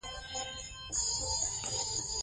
دا ګړه چې څو څپې لري، سخته ده.